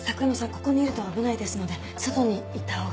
ここにいると危ないですので外に行ったほうが。